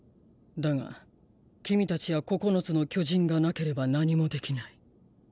だが君たちや九つの巨人がなければ何もできない。